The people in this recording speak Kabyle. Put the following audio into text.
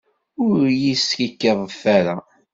Ur iyi-skikkiḍet ara!